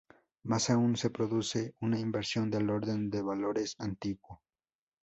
Más aún, se produce una inversión del orden de valores antiguo.